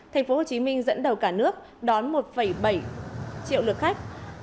tp hcm dẫn đầu cả nước đón một bảy triệu lượt khách